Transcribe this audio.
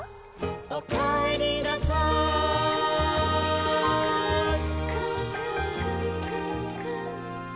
「おかえりなさい」